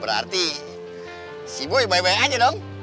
berarti si boy bye bye aja dong